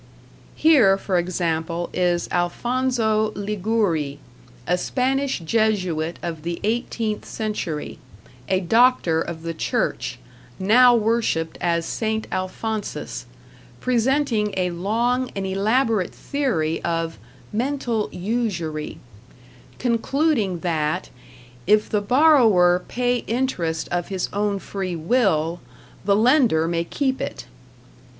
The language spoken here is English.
Here, for example is Alphonso Ligouri, a Spanish Jesuit of the eighteenth century, a doctor of the Church, now worshipped as St. Alphonsus, presenting a long and elaborate theory of "mental usury"; concluding that, if the borrower pay interest of his own free will, the lender may keep it.